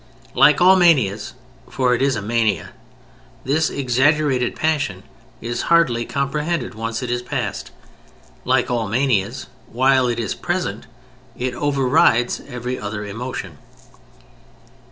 Like all manias (for it is a mania) this exaggerated passion is hardly comprehended once it is past. Like all manias, while it is present it overrides every other emotion.